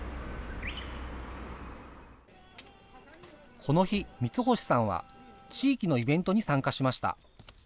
この日、三星さんは地域のイベントに参加しました。